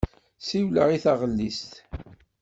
Siwleɣ i taɣellist.